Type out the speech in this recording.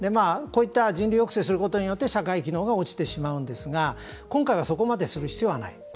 こういった人流抑制をすることによって社会機能が落ちてしまうんですが今回は、そこまでする必要はない。